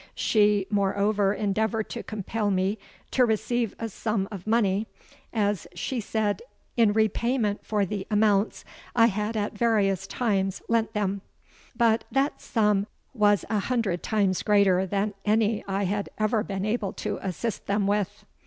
She moreover endeavoured to compel me to receive a sum of money, as she said in repayment for the amounts I had at various times lent them; but that sum was a hundred times greater than any I had ever been able to assist them with.